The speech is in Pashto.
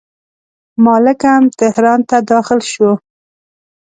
مالکم تهران ته داخل شو.